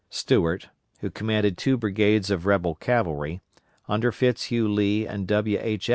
Stuart, who commanded two brigades of rebel cavalry, under Fitz Hugh Lee and W. H.